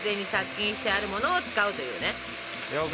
了解。